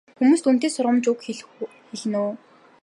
Хүмүүст үнэтэй сургамжтай үг хэлнэ үү?